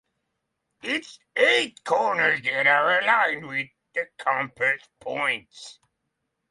Its eight corners are aligned with the compass points.